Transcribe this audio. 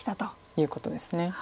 いうことです。